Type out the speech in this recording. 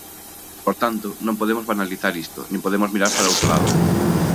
Por tanto, non podemos banalizar isto nin podemos mirar para outro lado.